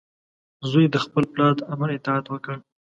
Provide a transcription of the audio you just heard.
زوی د خپل پلار د امر اطاعت وکړ.